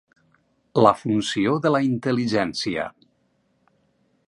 La funció de la intel·ligència.